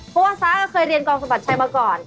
เพราะว่าซ้าก็เคยเรียนกองสะบัดชัยมาก่อน